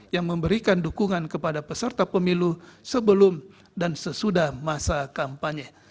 yang memberikan dukungan kepada peserta pemilu sebelum dan sesudah masa kampanye